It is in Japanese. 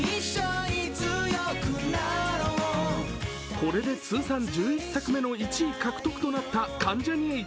これで通算１１作目の１位獲得となった関ジャニ∞。